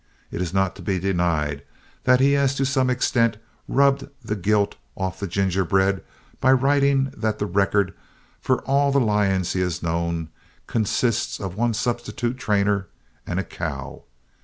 It is not to be denied that he has to some extent rubbed the gilt off the gingerbread by writing that the record for all the lions he has known consists of one substitute trainer and a cow.